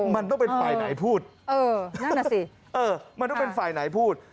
มันต้องเป็นฝ่ายไหนพูดเออนั่นน่ะสิเออมันต้องเป็นฝ่ายไหนพูด